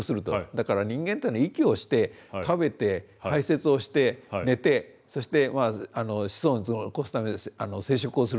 だから人間っていうのは息をして食べて排せつをして寝てそして子孫を残すために生殖をすると。